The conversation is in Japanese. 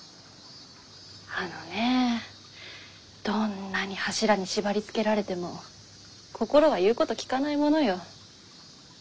あのねえどんなに柱に縛りつけられても心は言うこと聞かないものよ。